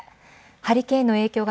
ハリケーンの影響